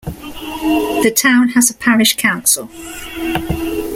The town has a Parish Council.